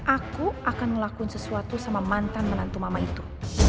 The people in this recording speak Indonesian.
aku akan ngelakuin sesuatu sama mantan menantu mama itu